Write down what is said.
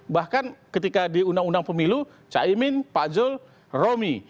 bahkan ketika di undang undang pemilu caimin pak zul romi